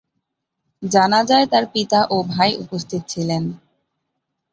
জানাজায় তার পিতা ও ভাই উপস্থিত ছিলেন।